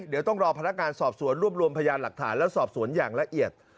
เดี๋ยวต้องรอพนักงานสอบสวนรวบรวมพยานหลักฐานและสอบสวนอย่างละเอียด